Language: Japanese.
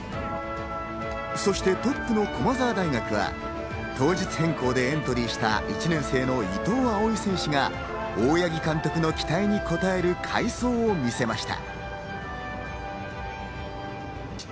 そしてトップの駒澤大学は当日変更でエントリーした１年生の伊藤蒼唯選手が大八木監督の期待に応える快走を見せました。